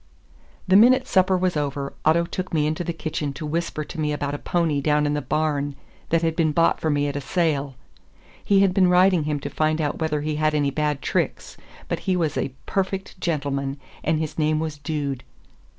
The minute supper was over, Otto took me into the kitchen to whisper to me about a pony down in the barn that had been bought for me at a sale; he had been riding him to find out whether he had any bad tricks, but he was a "perfect gentleman," and his name was Dude.